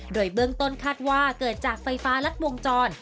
โดยเบื้องต้นคาดว่าเกิดจากไฟฟ้ารัดวงจร